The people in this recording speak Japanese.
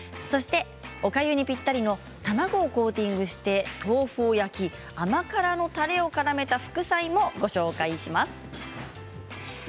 そして、おかゆにぴったりの卵をコーティングして豆腐を焼き甘辛のたれをからめた副菜もご紹介します。